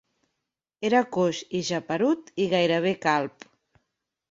Era coix i geperut i gairebé calb.